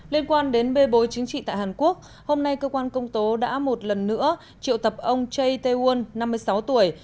liên quan đến bê bối chính trị tại hàn quốc hôm nay cơ quan công tố đã một lần nữa triệu tập ông chay tae won năm mươi sáu tuổi